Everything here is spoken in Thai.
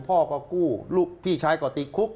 พ่อก็กู้ลูกพี่ชายก็ติดคุก